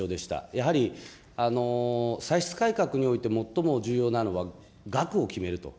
やはり歳出改革において最も重要なのは額を決めると。